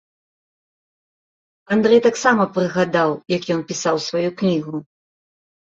Андрэй таксама прыгадаў, як ён пісаў сваю кнігу.